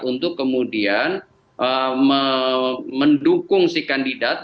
untuk kemudian mendukung si kandidat